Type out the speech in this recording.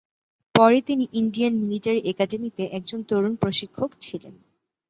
পরে তিনি Indian military একাডেমিতে একজন তরুণ প্রশিক্ষক ছিলেন।